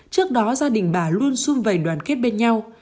trước đó gia đình bà luôn sung vầy đoàn kết bên nhau